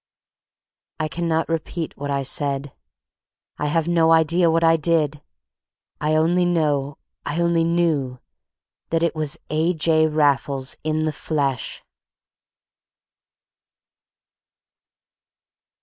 I cannot repeat what I said. I have no idea what I did. I only know—I only knew—that it was A. J. Raffles in the flesh!